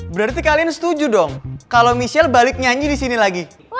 berarti kalian setuju dong kalau michelle balik nyanyi di sini lagi